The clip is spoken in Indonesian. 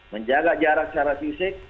menjaga jarak secara fisik